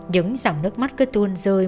những dòng nước mắt cứ tuôn rơi